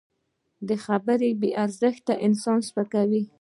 د خبرو بې ارزښتي انسان سپکوي